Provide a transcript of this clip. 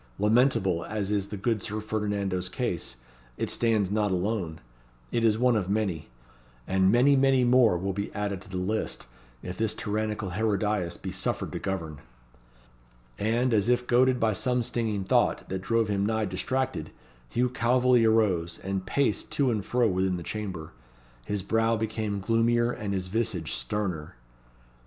Lamentable as is the good Sir Ferdinando's case, it stands not alone. It is one of many. And many, many more will be added to the list, if this tyrannical Herodias be suffered to govern." And as if goaded by some stinging thought, that drove him nigh distracted, Hugh Calveley arose, and paced to and fro within the chamber. His brow became gloomier and his visage sterner.